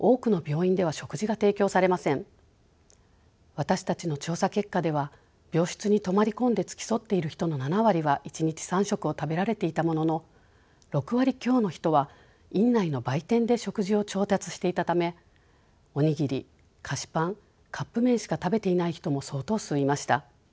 私たちの調査結果では病室に泊まり込んで付き添っている人の７割は１日３食を食べられていたものの６割強の人は院内の売店で食事を調達していたためお握り菓子パンカップ麺しか食べていない人も相当数いました。